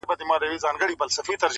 سپوږمۍ له ځانه څخه ورکه نه شې,